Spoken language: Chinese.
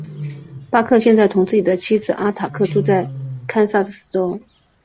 巴克现在同自己的妻子阿塔克住在堪萨斯州。